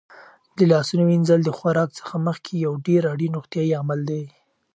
د لاسونو وینځل د خوراک څخه مخکې یو ډېر اړین روغتیايي عمل دی.